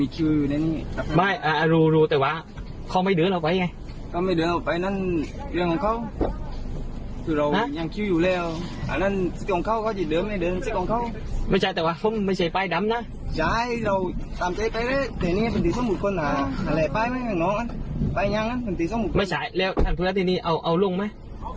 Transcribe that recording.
ใช้แล้วทางธุรกิจนี้เอาลงมั้ย